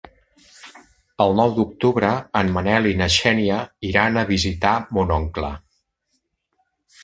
El nou d'octubre en Manel i na Xènia iran a visitar mon oncle.